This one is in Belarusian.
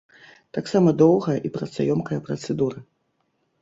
Таксама доўгая і працаёмкая працэдура.